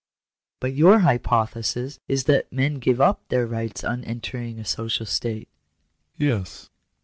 " But your hypothesis is that men give up their rights on entering the social state ?" "Yes."